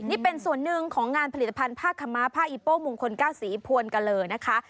นี่เป็นส่วนหนึ่งของงานผลิตภัณฑ์ผ้าขม้าผ้าอีโป้มงคล๙สีพวนกะเลอนะคะ